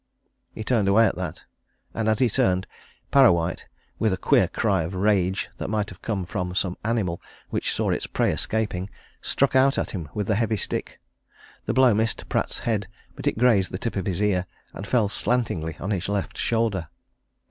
He turned away at that and as he turned, Parrawhite, with a queer cry of rage that might have come from some animal which saw its prey escaping, struck out at him with the heavy stick. The blow missed Pratt's head, but it grazed the tip of his ear, and fell slantingly on his left shoulder.